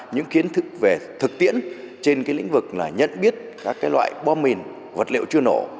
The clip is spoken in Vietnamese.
những kiến thức về thực tiễn trên lĩnh vực là nhận biết các loại bom mìn vật liệu chưa nổ